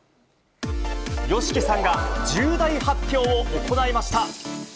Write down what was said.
ＹＯＳＨＩＫＩさんが重大発表を行いました。